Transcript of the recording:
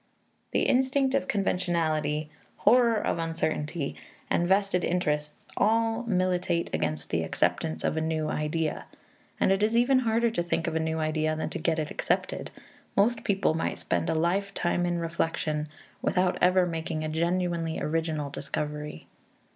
The instinct of conventionality, horror of uncertainty, and vested interests, all militate against the acceptance of a new idea. And it is even harder to think of a new idea than to get it accepted; most people might spend a lifetime in reflection without ever making a genuinely original discovery.